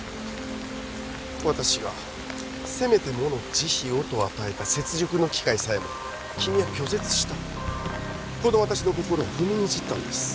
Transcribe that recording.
私がせめてもの慈悲をと与えた雪辱の機会さえも君は拒絶したこの私の心を踏みにじったんです